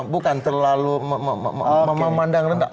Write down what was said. bukan terlalu memandang rendah